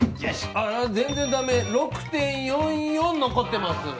全然ダメ６．４４残ってます